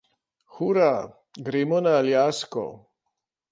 Hura, gremo na Aljasko!